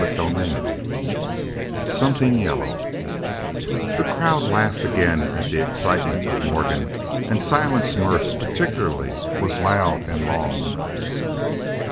CHAPTER IV SOMETHING YELLOW The crowd laughed again at the excitement of Morgan, and Silent's mirth particularly was loud and long.